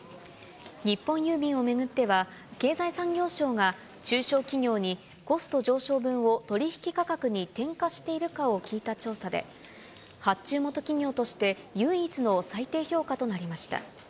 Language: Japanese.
日本郵便を巡っては、経済産業省が中小企業にコスト上昇分を取り引き価格に転嫁しているかを聞いた調査で、発注元企業として、唯一の最低評価となりました。